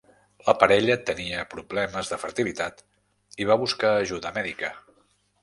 La parella tenia problemes de fertilitat i va buscar ajuda mèdica.